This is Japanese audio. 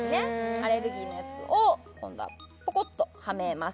アレルギーのやつを今度はポコッとはめます